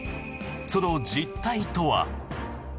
その実態とは。